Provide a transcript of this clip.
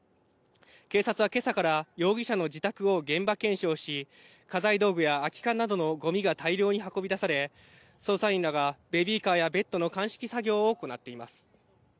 警察はけさから容疑者の自宅を現場検証し、家財道具や空き缶などのごみが大量に運び出され、捜査員らがベビーカーやベッドの鑑識作業を行っています。